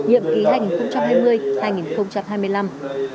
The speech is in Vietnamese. hãy đăng ký kênh để ủng hộ kênh của mình nhé